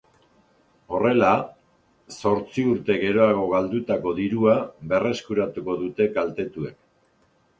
Horrela, zortzi urte geroago galdutako dirua berreskuratuko dute kaltetuek.